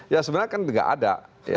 ya sebenarnya kan tidak ada